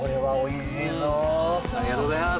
ありがとうございます。